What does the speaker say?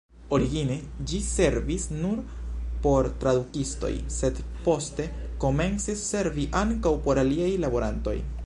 Origine ĝi servis nur por tradukistoj, sed poste komencis servi ankaŭ por aliaj laborantoj.